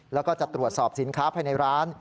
แล้วก็จะตรวจสอบสินค้าภายในร้าน